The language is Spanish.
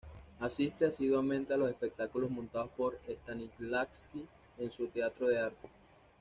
Asiste asiduamente a los espectáculos montados por Stanislavski en su Teatro de Arte.